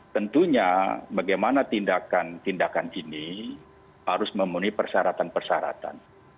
tentunya bagaimana tindakan tindakan ini harus memenuhi persyaratan persyaratan